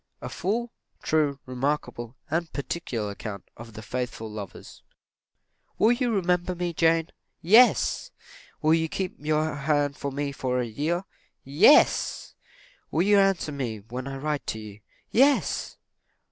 A FULL, TRUE, REMARKABLE, & PARTICULAR ACCOUNT OF THE FAITHFUL LOVERS. ""Will you remember me, Jane?" "Yes!" "Will you keep your hand for me for a year?" "Yes!" "Will you answer me when I write to you?" "Yes!"